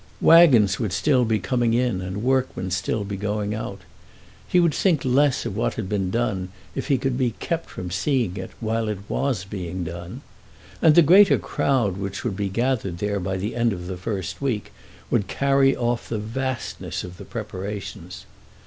Waggons would still be coming in and workmen still be going out. He would think less of what had been done if he could be kept from seeing it while it was being done. And the greater crowd which would be gathered there by the end of the first week would carry off the vastness of the preparations.